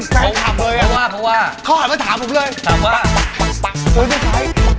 โปรดติดตามตอนต่อไป